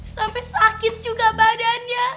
sampai sakit juga badannya